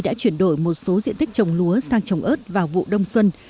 đã chuyển đổi một số diện tích trồng lúa sang trồng ớt vào vụ đông xuân